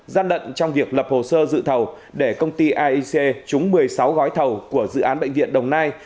gian lận trong việc lập hồ sơ dự thầu để công ty aic trúng một mươi sáu gói thầu của dự án bệnh viện đồng nai